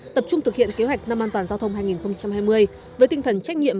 tập trung thực hiện kế hoạch năm an toàn giao thông hai nghìn hai mươi